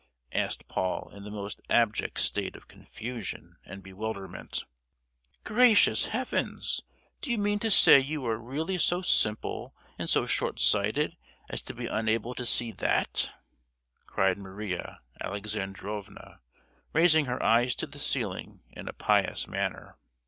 asked Paul, in the most abject state of confusion and bewilderment. "Gracious Heavens! do you mean to say you are really so simple and so short sighted as to be unable to see that?" cried Maria Alexandrovna, raising her eyes to the ceiling in a pious manner.